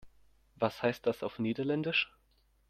Was heißt das auf Niederländisch?